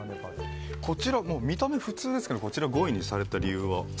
こちら、見た目は普通ですが５位にされた理由は？